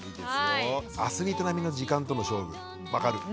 「アスリート並みの時間との勝負」分かる。